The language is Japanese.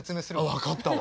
分かったわ。